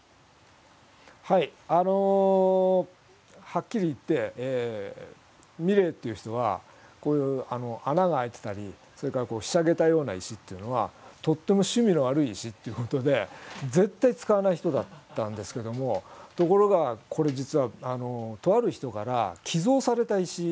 はっきり言って三玲っていう人はこういう穴があいてたりそれからこうひしゃげたような石っていうのはとっても趣味の悪い石っていうことで絶対使わない人だったんですけどもところがこれ実はとある人から寄贈された石だったんですね。